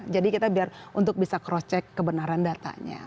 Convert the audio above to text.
jadi kita biar untuk bisa cross check kebenaran datanya